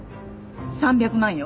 ３００万よ。